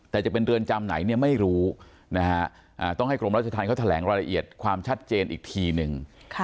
แต่จะเป็นเรือนจำไหนเนี่ยไม่รู้นะฮะต้องให้กรมราชธรรมเขาแถลงรายละเอียดความชัดเจนอีกทีหนึ่ง